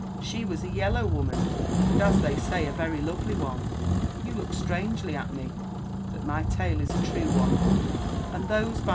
She was a yellow woman, and, as they say, a very lovely one. You look strangely at me ; but my tale is a true one, and those by.